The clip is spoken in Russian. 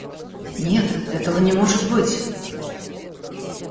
Нет, этого не может быть.